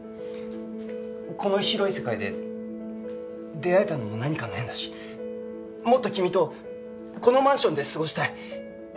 この広い世界で出会えたのも何かの縁だしもっと君とこのマンションで過ごしたい。